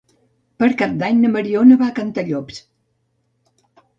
Per Cap d'Any na Mariona va a Cantallops.